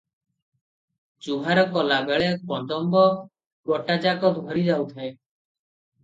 ଜୁହାର କଲା ବେଳେ କମ୍ବଳ ଗୋଟାଯାକ ଥରି ଯାଉଥାଏ ।